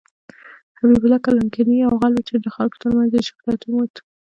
حبيب الله کلکاني يو غل وه ،چې د خلکو تر منځ يې شهرت وموند.